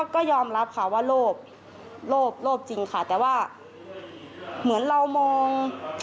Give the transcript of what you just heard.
ก็ยอมรับค่ะว่าโลภโลภโลภจริงค่ะแต่ว่าเหมือนเรามอง